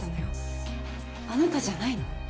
あなたじゃないの？